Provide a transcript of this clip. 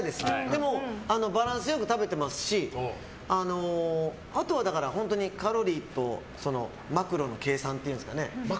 でも、バランスよく食べてますしあとは本当にカロリーとマクロの計算っていうんですかね。